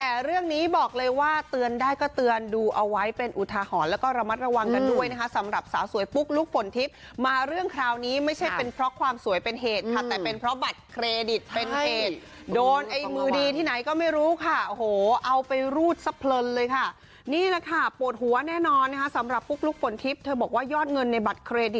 แต่เรื่องนี้บอกเลยว่าเตือนได้ก็เตือนดูเอาไว้เป็นอุทาหรณ์แล้วก็ระมัดระวังกันด้วยนะคะสำหรับสาวสวยปุ๊กลุ๊กฝนทิพย์มาเรื่องคราวนี้ไม่ใช่เป็นเพราะความสวยเป็นเหตุค่ะแต่เป็นเพราะบัตรเครดิตเป็นเหตุโดนไอ้มือดีที่ไหนก็ไม่รู้ค่ะโอ้โหเอาไปรูดสะเพลินเลยค่ะนี่แหละค่ะปวดหัวแน่นอนนะคะสำหรับปุ๊กลุ๊กฝนทิพย์เธอบอกว่ายอดเงินในบัตรเครดิต